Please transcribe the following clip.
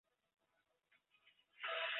现就职于日本电视台。